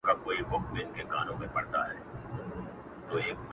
• کليوال کله کله د پېښې په اړه چوپ سي,